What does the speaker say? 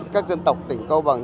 các dân tộc tỉnh cao bằng